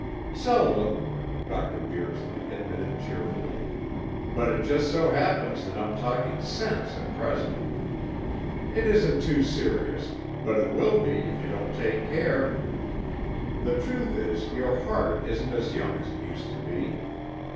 "Seldom," Dr. Beardsley admitted cheerfully, "but it just so happens that I'm talking sense at present. It isn't too serious, but it will be if you don't take care. The truth is your heart isn't as young as it used to be.